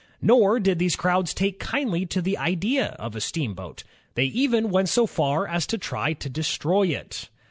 Nor did these crowds take kindly to the idea of a steamboat; they even went so far as to try to destroy it.